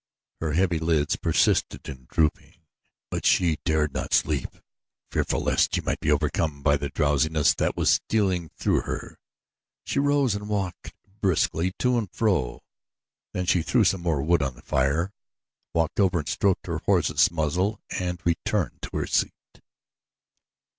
Her heavy lids persisted in drooping; but she dared not sleep. Fearful lest she might be overcome by the drowsiness that was stealing through her she rose and walked briskly to and fro, then she threw some more wood on the fire, walked over and stroked her horse's muzzle and returned to her seat.